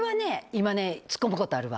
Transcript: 今ツッコむことあるわ。